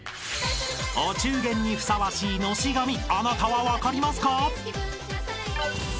［お中元にふさわしいのし紙あなたは分かりますか？］